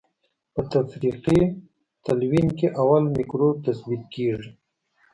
په تفریقي تلوین کې اول مکروب تثبیت کیږي.